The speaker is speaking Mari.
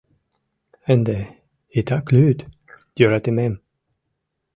— Ынде итак лӱд, йӧратымем...